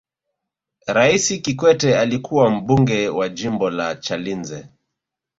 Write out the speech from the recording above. raisi kikwete alikuwa mbunge wa jimbo la chalinze